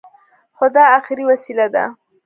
خو دا اخري وسيله ده.